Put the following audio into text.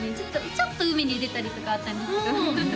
ちょっと海に出たりとかあったんですけどふん